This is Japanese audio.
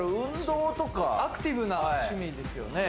アクティブな趣味ですよね。